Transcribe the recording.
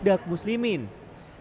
mereka juga berkata